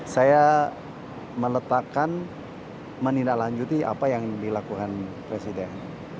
saya meletakkan menindaklanjuti apa yang dilakukan presiden